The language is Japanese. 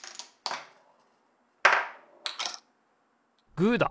グーだ。